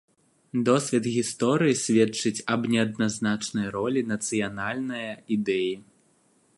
Досвед гісторыі сведчыць аб неадназначнай ролі нацыянальная ідэі.